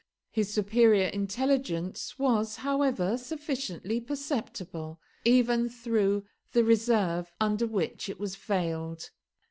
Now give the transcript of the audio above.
His superior intelligence was, however, sufficiently perceptible, even through the reserve under which it was veiled.